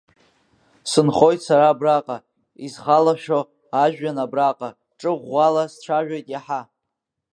Сынхоит сара абраҟа, исхалашо ажәҩан, абраҟа ҿы-ӷәӷәала сцәажәоит иаҳа.